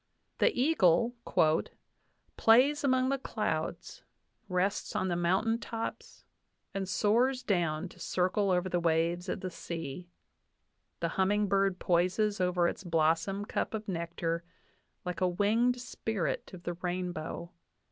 The eagle "plays among the clouds, rests on the mountain tops, and soars down to circle over the waves of the sea. The humming bird poises over its blossom cup of nectar like a winged spirit of the rainbow.